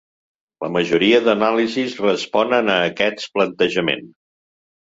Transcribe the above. La majoria d'anàlisis responen a aquest plantejament.